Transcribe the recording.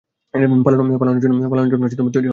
পালানোর জন্য তৈরি হও।